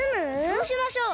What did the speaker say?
そうしましょう。